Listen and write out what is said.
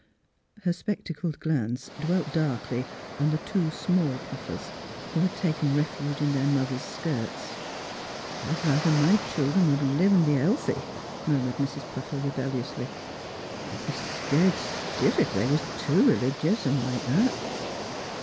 Her spectacled glance dwelt darkly on the two small Puffers, who had taken refuge in their moth er's skirts. ''I'd rather my children would live an' be healthy," murmured Mrs. Puffer, rebelliously. " I'd be scared stiff if they was too r'ligious, an' like that."